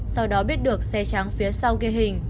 sau đó biết được xe trắng phía sau ghi hình